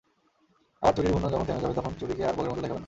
আবার চুড়ির ঘূর্ণন যখন থেমে যাবে, তখন চুড়িকে আর বলের মতো দেখাবে না।